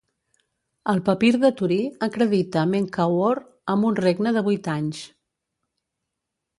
El papir de Turí acredita Menkauhor amb un regne de vuit anys.